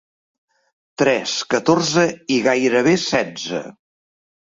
Tres catorze i gairebé setze.